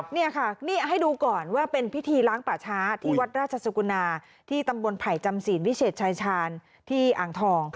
นี่ค่ะนี่ให้ดูก่อนว่าเป็นพิธีล้างป่าช้าที่วัดราชสุกุณาที่ตำบลไผ่จำศีลวิเศษชายชาญที่อ่างทอง